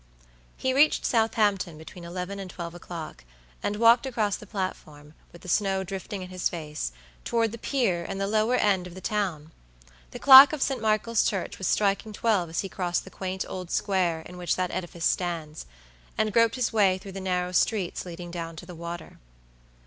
He reached Southampton between eleven and twelve o'clock, and walked across the platform, with the snow drifting in his face, toward the pier and the lower end of the town. The clock of St. Michael's Church was striking twelve as he crossed the quaint old square in which that edifice stands, and groped his way through the narrow streets leading down to the water.